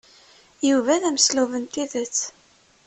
Yuba d ameslub n tidet.